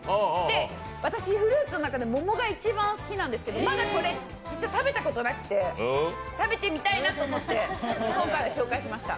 私、フルーツの中で桃が一番好きなんですけど、まだこれ食べたことがなくて食べてみたいなと思って今回紹介しました。